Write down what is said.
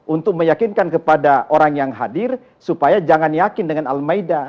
untuk meyakinkan kepada orang yang hadir supaya jangan yakin dengan al maida